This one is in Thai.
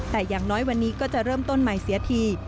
แต่อย่างน้อยวันนี้ก็จะเริ่มต้นใหม่เสียที